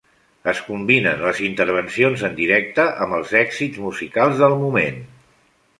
Es combinen les intervencions en directe amb els èxits musicals del moment.